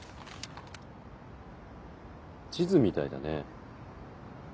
地図みたいだね。